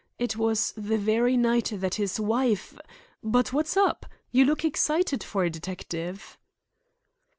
It was the very night that his wife— But what's up? You look excited for a detective."